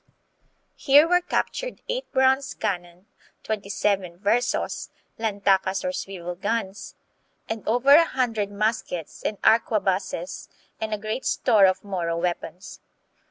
Here were captured eight bronze cannon, twenty seven " versos " (lantakas or swivel guns), and over a hundred muskets and arquebuses and a great store of Moro weapons.